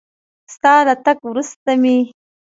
ستا له تګ وروسته مې